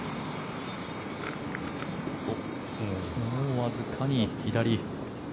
わずかに左。